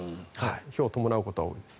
ひょうを伴うことは多いです。